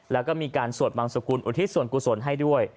แล้วก็มีการสวดบังสกุลอุทิศส่วนกุศลให้ด้วย